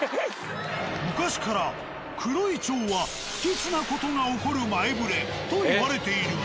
昔から黒い蝶は不吉な事が起こる前触れといわれているが。